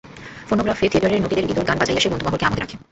ফোনোগ্রাফে থিয়েটারের নটীদের ইতর গান বাজাইয়া সে বন্ধুমহলকে আমোদে রাখে।